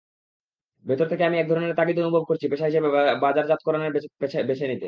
ভেতর থেকে আমি একধরনের তাগিদ অনুভব করছি পেশা হিসেবে বাজারজাতকরণ বেছে নিতে।